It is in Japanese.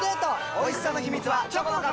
おいしさの秘密はチョコの壁！